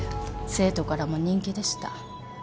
生徒からも人気でした。